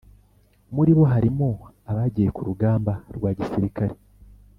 muri bo harimo abagiye kurugamba rwagisirikare